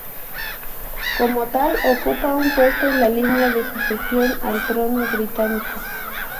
Como tal ocupa un puesto en la línea de sucesión al trono británico.